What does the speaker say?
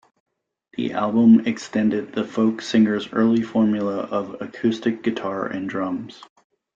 The album extended the folk singer's early formula of acoustic guitar and drums.